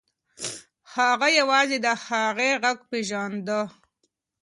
هغه یوازې د هغې غږ پیژانده.